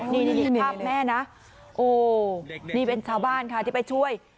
นี่ภาพแม่นะโอ้นี่เป็นชาวบ้านค่ะที่ไปช่วย